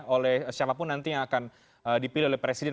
oleh siapapun nanti yang akan dipilih oleh presiden